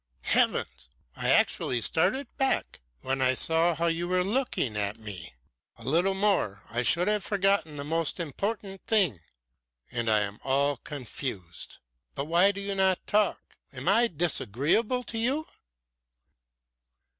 Heavens! I actually started back when I saw how you were looking at me. A little more and I should have forgotten the most important thing, and I am all confused. But why do you not talk? Am I disagreeable to you?"